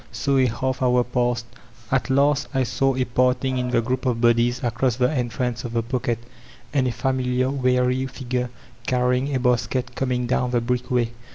So a half hour passed. At last I saw a parting in the group of bodies across the entrance of the pocket, and a famiUar weary figure carrying a basket, coming down the brickway.